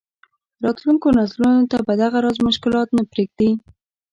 راتلونکو نسلونو ته به دغه راز مشکلات نه پرېږدي.